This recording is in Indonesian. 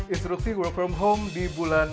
instruksi work from home di bulan